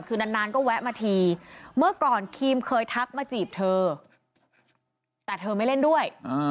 คือนานก็แวะมาทีเมื่อก่อนครีมเคยทักมาจีบเธอแต่เธอไม่เล่นด้วย